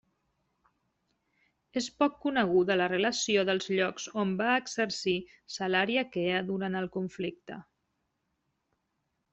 És poc coneguda la relació dels llocs on va exercir Salaria Kea durant el conflicte.